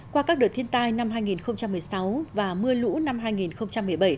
qua các đợt thiên tai năm hai nghìn một mươi sáu và mưa lũ năm hai nghìn một mươi bảy